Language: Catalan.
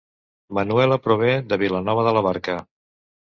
Manuela prové de Vilanova de la Barca